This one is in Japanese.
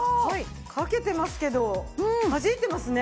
かけてますけどはじいてますね。